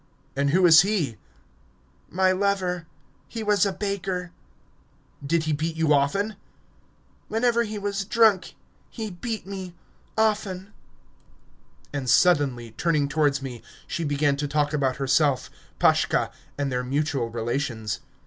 "And who is he?" "My lover... He was a baker." "Did he beat you often?" "Whenever he was drunk he beat me... Often!" And suddenly, turning towards me, she began to talk about herself, Pashka, and their mutual relations.